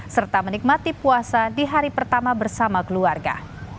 serta menikmati puasa di hari pertama bersama keluarga